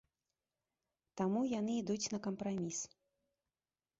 Таму яны ідуць на кампраміс.